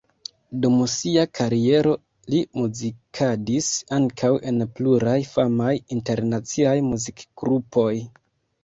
Dum sia kariero li muzikadis ankaŭ en pluraj famaj internaciaj muzikgrupoj.